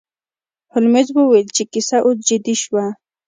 هولمز وویل چې کیسه اوس جدي شوه.